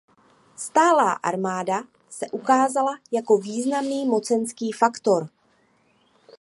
Stálá armáda se ukázala jako významný mocenský faktor.